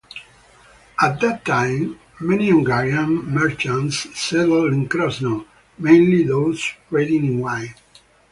At that time many Hungarian merchants settled in Krosno, mainly those trading in wine.